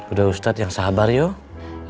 udah ustadz yang sabar yuk